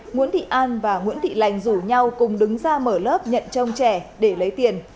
nguyễn thị an và nguyễn thị lành rủ nhau cùng đứng ra mở lớp nhận trông trẻ để lấy tiền